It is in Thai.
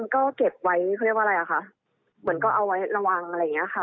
ก็เก็บไว้เขาเรียกว่าอะไรอ่ะคะเหมือนก็เอาไว้ระวังอะไรอย่างเงี้ยค่ะ